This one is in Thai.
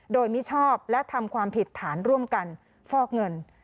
โดยมิชอบและทำความผิดฐานร่วมกันฟอกเงิน